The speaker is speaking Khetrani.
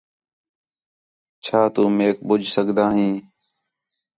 چَھا تُو میک ٻُجھ سڳدا ہیں